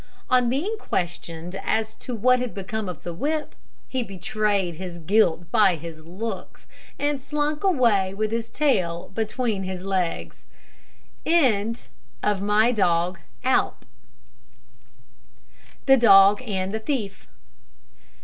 On being questioned as to what had become of the whip, he betrayed his guilt by his looks, and slunk away with his tail between his legs. THE DOG AND THE THIEF.